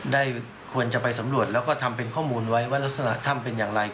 ได้ควรจะไปสำรวจแล้วก็ทำเป็นข้อมูลไว้ว่ารักษณะถ้ำเป็นอย่างไร